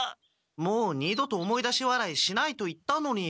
もう二度と思い出し笑いしないと言ったのに。